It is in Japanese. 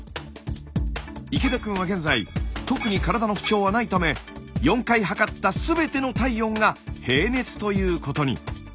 池田くんは現在特に体の不調はないため４回測った全ての体温が平熱ということに。